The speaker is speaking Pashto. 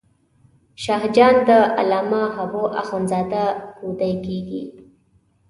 شاه جان د علامه حبو اخند زاده کودی کېږي.